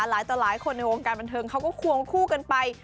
ต่อหลายคนในวงการบันเทิงเขาก็ควงคู่กันไป